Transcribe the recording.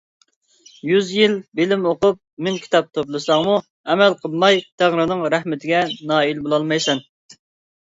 يۈز يىل بىلىم ئوقۇپ مىڭ كىتاب توپلىساڭمۇ ئەمەل قىلماي تەڭرىنىڭ رەھمىتىگە نائىل بولالمايسەن.